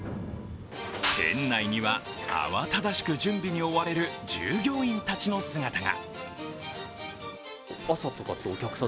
店内には慌ただしく準備に追われる従業員たちの姿が。